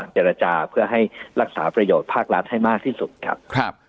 เจรจาเพื่อให้รักษาประโยชน์ภาครัฐให้มากที่สุดครับ